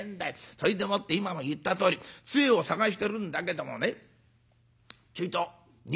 それでもって今も言ったとおりつえを探してるんだけどもねちょいと握ってみたんだよ。